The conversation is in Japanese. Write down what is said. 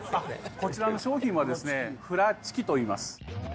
こちらの商品はフラチキといいます。